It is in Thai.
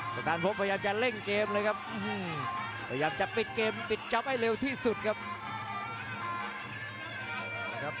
สถานพบพยายามจะเร่งเกมเลยครับพยายามจะปิดเกมปิดจ๊อปให้เร็วที่สุดครับ